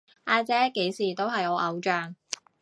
阿姐幾時都係我偶像